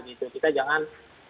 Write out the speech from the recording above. gitu kita jangan